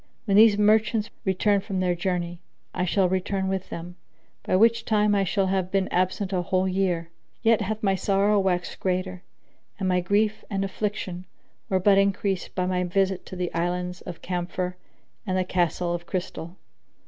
When these merchants return from their journey, I shall return with them, by which time I shall have been absent a whole year: yet hath my sorrow waxed greater and my grief and affliction were but increased by my visit to the Islands of Camphor and the Castle of Crystal.